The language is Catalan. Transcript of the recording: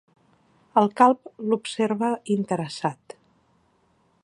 El calb l'observa, interessat.